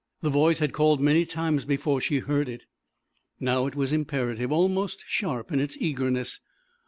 The voice had called many times before she heard it. Now it was imperative, almost sharp in its eagerness.